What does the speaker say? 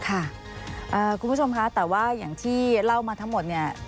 คุณผู้ชมคะแต่ว่าอย่างที่เล่ามาทั้งหมดเนี่ย